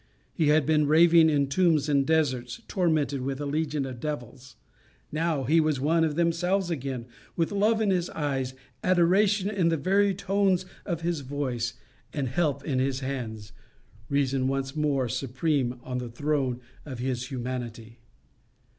He had been raving in tombs and deserts, tormented with a legion of devils; now he was one of themselves again, with love in his eyes, adoration in the very tones of his voice, and help in his hands reason once more supreme on the throne of his humanity.